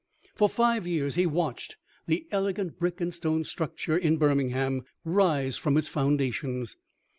For five years he watched the elegant brick and stone structure in Birmingham rise from its foundations.